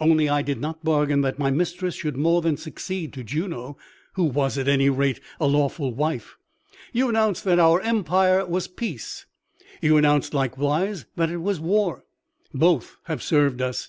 Only I did not bargain that my mistress should more than succeed to Juno, who was, at any rate, a lawful wife. You announced that our empire was peace; you announced likewise that it was war; both have served us.